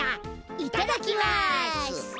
いただきます。